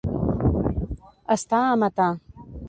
Estar a matar.